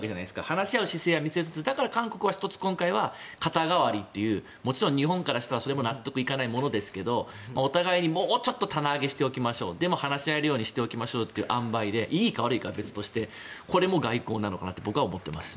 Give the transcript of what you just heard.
話し合う姿勢は見せつつだから韓国は１つ、肩代わりというもちろん日本からしたらそれは納得がいかないものですがお互いにもうちょっと棚上げしておきましょうでも話し合えるようにしておきましょうっていうあんばいでいいか悪いかは別としてこれも外交なのかと僕は思っています。